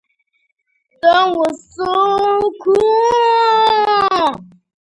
There were musical settings of Donne's lyrics even during his lifetime.